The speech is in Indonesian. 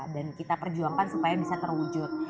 dan kita perjuangkan supaya bisa terwujud